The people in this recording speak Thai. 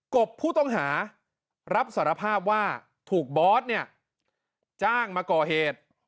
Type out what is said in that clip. กบผู้ต้องหารับสารภาพว่าถูกบอสเนี่ยจ้างมาก่อเหตุ